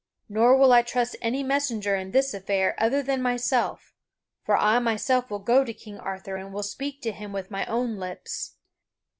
Nor will I trust any messenger in this affair other than myself; for I myself will go to King Arthur and will speak to him with my own lips."